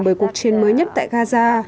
bởi cuộc chiến mới nhất tại gaza